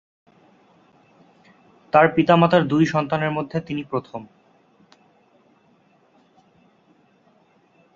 তার পিতা-মাতার দুই সন্তানের মধ্যে তিনি প্রথম।